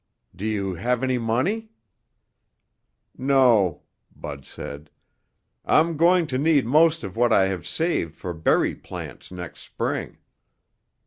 "Do you have any money?" "No," Bud said. "I'm going to need most of what I have saved for berry plants next spring."